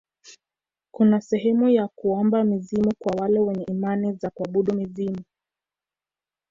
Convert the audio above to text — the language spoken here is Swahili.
kuna sehemu ya kuomba mizimu kwa wale wenye imani za kuabudu mizimu